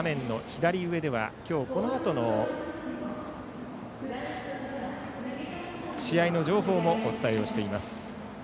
左上では今日このあとの試合の情報もお伝えをしています。